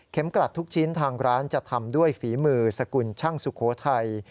กลัดทุกชิ้นทางร้านจะทำด้วยฝีมือสกุลช่างสุโขทัย